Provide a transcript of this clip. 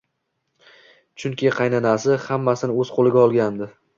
Chunki qaynanasi hammasini o`z qo`liga olgandi